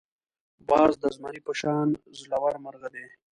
باز د زمري په شان زړور مرغه دی